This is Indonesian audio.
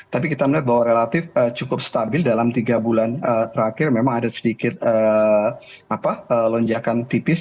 tapi kita melihat bahwa relatif cukup stabil dalam tiga bulan terakhir memang ada sedikit lonjakan tipis